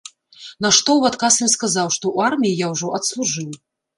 На што ў адказ ім сказаў, што ў арміі я ўжо адслужыў.